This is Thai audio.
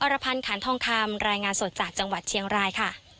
รพันธ์ขันทองคำรายงานสดจากจังหวัดเชียงรายค่ะ